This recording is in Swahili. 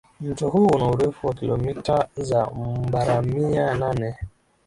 Mto huu una urefu wa kilometa za mrabamia nane